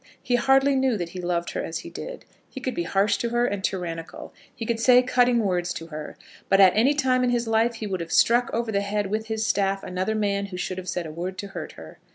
He hardly knew that he loved her as he did. He could be harsh to her and tyrannical. He could say cutting words to her. But at any time in his life he would have struck over the head, with his staff, another man who should have said a word to hurt her.